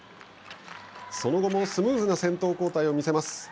その後もスムーズな先頭交代を見せます。